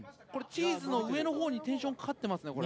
チーズの上のほうにテンションかかってますね。